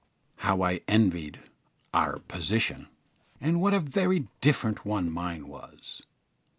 How I envied "our position," and what a very different one mine was!